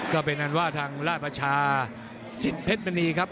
ก็เป็นอันว่าทางราชประชาสิทธิ์เพชรมณีครับ